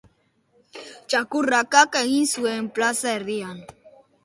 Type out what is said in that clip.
Txakurrak kaka egin zuen plaza erdian.